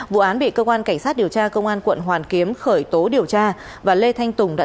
vụ án bị cơ quan cảnh sát điều tra công an quận hoàn kiếm khởi tố điều tra